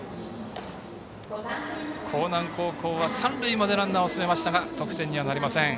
興南高校は三塁までランナーを進めましたが得点にはなりません。